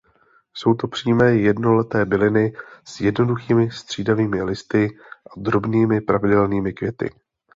Jsou to přímé jednoleté byliny s jednoduchými střídavými listy a drobnými pravidelnými květy.